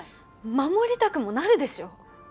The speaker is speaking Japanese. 守りたくもなるでしょ